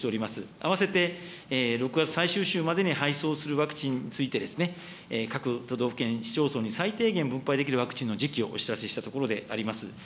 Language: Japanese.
併せて６月最終週までに配送するワクチンについて、各都道府県、市町村に最低限、分配できるワクチンの時期をお知らせしたところであります。